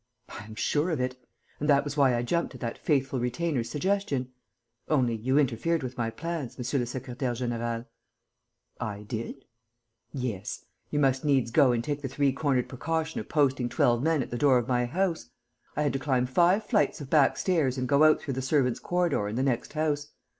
"I am sure of it. And that was why I jumped at that faithful retainer's suggestion. Only, you interfered with my plans, monsieur le secrétaire; général." "I did?" "Yes. You must needs go and take the three cornered precaution of posting twelve men at the door of my house. I had to climb five flights of back stairs and go out through the servants' corridor and the next house.